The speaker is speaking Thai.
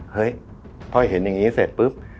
เฮ้ยพอเห็นอย่างนี้เสร็จปุ๊บ